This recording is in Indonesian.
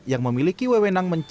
yang memiliki wewenang mencari